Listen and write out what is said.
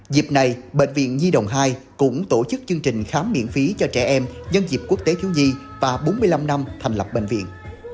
dịp này bệnh viện nhi đồng hai cũng tổ chức chương trình khám miễn phí cho trẻ em nhân dịp quốc tế thiếu nhi và bốn mươi năm năm thành lập bệnh viện